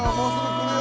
来るよ。